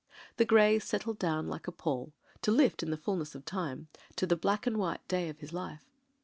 The grey settled down like a pall, to lift in the fulness of time, to the black and white day of his life.